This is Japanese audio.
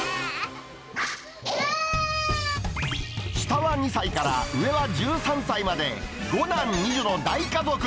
下は２歳から上は１３歳まで、５男２女の大家族。